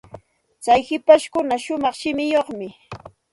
Tsay hipashpuka shumaq shimichayuqmi.